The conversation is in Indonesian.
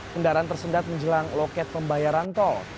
kendaraan tersendat menjelang loket pembayaran tol